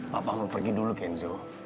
bapak mau pergi dulu kenzo